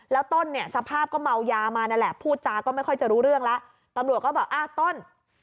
แล้วต้นเนี่ยสภาพก็เมายามานั่นแหละพูดจาก็ไม่ค่อยจะรู้เรื่องแล้วตำรวจก็แบบอ่าต้น